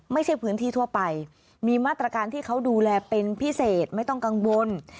ไม่ใช่พื้นที่ทั่วไปมีมาตรการที่เขาดูแลเป็นพิเศษไม่ต้องกังวล